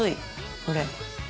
これ。